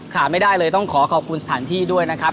ขาดไม่ได้เลยต้องขอขอบคุณสถานที่ด้วยนะครับ